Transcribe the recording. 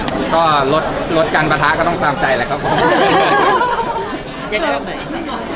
อะก็ลดกันประทะก็ต้องตามใจแหละครับผม